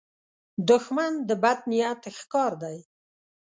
دښمن د بد نیت ښکار دی